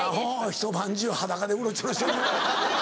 ひと晩中裸でうろちょろしとるから。